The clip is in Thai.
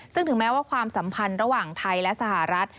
ซึ่งถึงแม้ว่าความสัมพันธ์ระหว่างไทยและสหรัฐ